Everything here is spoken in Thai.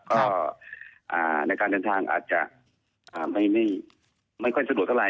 ก็ในการเดินทางอาจจะไม่ค่อยสะดวกเท่าไห